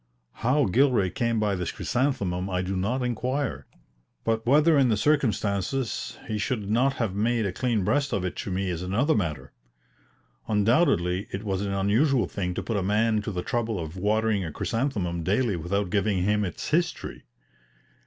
How Gilray came by this chrysanthemum I do not inquire, but whether, in the circumstances, he should not have made a clean breast of it to me is another matter. Undoubtedly it was an unusual thing to put a man to the trouble of watering a chrysanthemum daily without giving him its history.